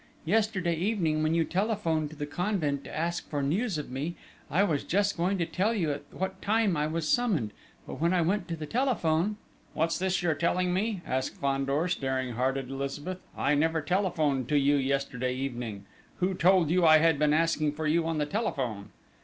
Yesterday evening when you telephoned to the convent to ask for news of me, I was just going to tell you at what time I was summoned, but when I went to the telephone...." "What's this you are telling me?" asked Fandor, staring hard at Elizabeth. "I never telephoned to you yesterday evening. Who told you I had been asking for you on the telephone?"